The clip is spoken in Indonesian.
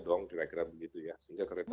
dong kira kira begitu ya sehingga kereta